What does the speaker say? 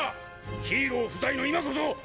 ヒーロー不在の今こそ我々が！